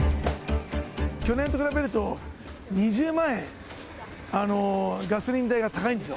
去年と比べると２０万円ガソリン代が高いんですよ。